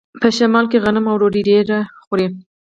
په شمال کې غنم او ډوډۍ ډیره خوري.